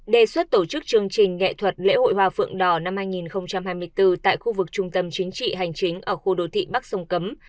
đề xuất tổ chức chương trình nghệ thuật lễ hội hoa phượng đỏ năm hai nghìn hai mươi bốn tại khu vực trung tâm chính trị hành chính ở khu đô thị bắc sông cấm